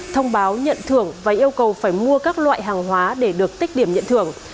thông báo nhận thưởng và yêu cầu phải mua các loại hàng hóa để được tích điểm nhận thưởng